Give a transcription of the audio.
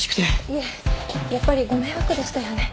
いえやっぱりご迷惑でしたよね。